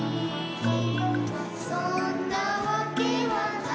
「そんなわけはないけれど」